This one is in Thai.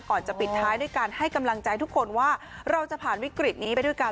ก่อนจะปิดท้ายด้วยการให้กำลังใจทุกคนว่าเราจะผ่านวิกฤตนี้ไปด้วยกัน